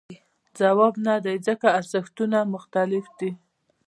ځواب نه دی ځکه ارزښتونه مختلف دي.